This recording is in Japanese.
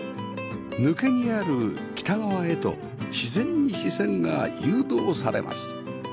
抜けにある北側へと自然に視線が誘導されます